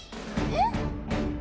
えっ？